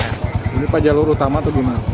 ini pak jalur utama atau gimana